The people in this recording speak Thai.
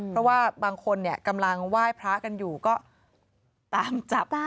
เพราะว่าบางคนเนี่ยกำลังไหว้พระกันอยู่ก็ตามจับ